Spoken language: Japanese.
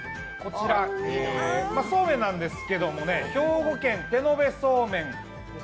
そうめんなんですけど、兵庫県手延素麺